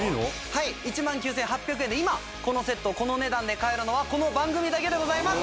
はい１万９８００円で今このセットをこの値段で買えるのはこの番組だけでございます！